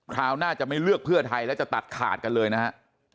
ราวหน้าจะไม่เลือกเพื่อไทยแล้วจะตัดขาดกันเลยนะฮะ